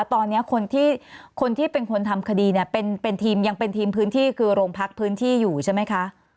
ตอนนี้คนที่เป็นคนทำคดีเนี่ยเป็นทีมยังเป็นทีมพื้นที่คือโรงพักพื้นที่อยู่ใช่ไหมคะ